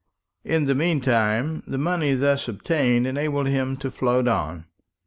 In the meantime the money thus obtained enabled him to float on.